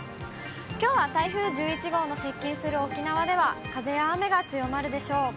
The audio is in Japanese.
きょうは台風１１号の接近する沖縄では、風や雨が強まるでしょう。